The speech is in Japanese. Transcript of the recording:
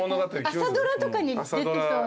朝ドラとかに出てそうな。